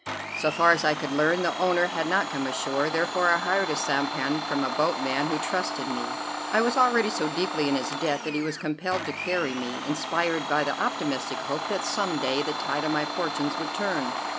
So far as I could learn, the owner had not come ashore; therefore I hired a sampan from a boatman who trusted me. I was already so deeply in his debt that he was compelled to carry me, inspired by the optimistic hope that some day the tide of my fortunes would turn.